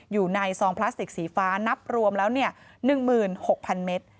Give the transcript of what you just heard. ซองพลาสติกสีฟ้านับรวมแล้ว๑๖๐๐๐เมตร